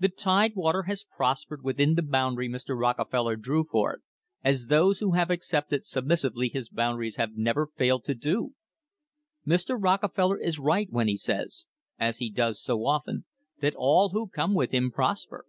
The Tidewater has prospered within the boundary Mr. Rockefeller drew for it, as those who have accepted sub missively his boundaries have never failed to do. Mr. Rocke feller is right when he says, as he does so often, that all who come with him prosper.